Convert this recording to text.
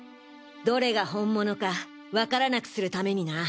どれが本物かわからなくする為にな。